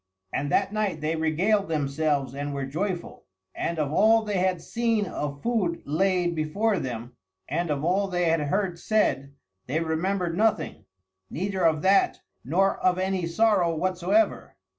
And that night they regaled themselves and were joyful. And of all they had seen of food laid before them, and of all they had heard said, they remembered nothing; neither of that, nor of any sorrow whatsoever.